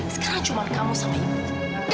sekarang cuma kamu sama ibu